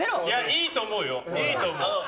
いいと思うよ。